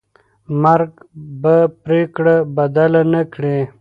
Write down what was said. مرګ به پرېکړه بدله نه کړي.